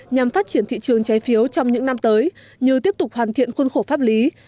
nhằm phát triển thị trường trái phiếu trong những năm tới như tiếp tục hoàn thiện khuôn khổ pháp lý